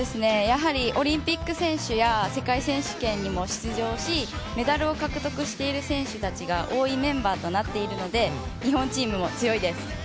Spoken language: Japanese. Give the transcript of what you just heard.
オリンピック選手や世界選手権にも出場しメダルを獲得している選手たちが多いメンバーとなっているので日本チームも強いです。